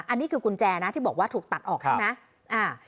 อันนี้คือกุญแจนะที่บอกว่าถูกตัดออกใช่ไหม